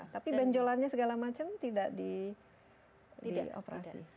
tapi benjolannya segala macam tidak dioperasi